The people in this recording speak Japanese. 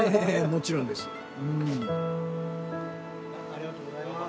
ありがとうございます。